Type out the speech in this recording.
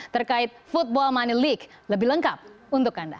terkait football money league lebih lengkap untuk anda